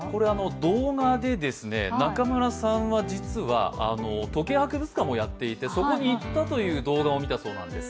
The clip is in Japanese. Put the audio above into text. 動画で中村さんは実は時計博物館もやっていて、そこに行ったという動画を見たそうなんです。